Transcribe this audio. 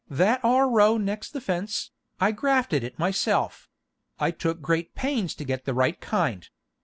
That are row next the fence, I grafted it myself: I took great pains to get the right kind.